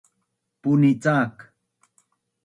Puni cak